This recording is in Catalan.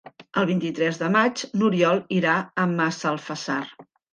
El vint-i-tres de maig n'Oriol irà a Massalfassar.